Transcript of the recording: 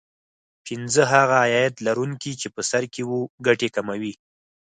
پینځه هغه عاید لرونکي چې په سر کې وو ګټې کموي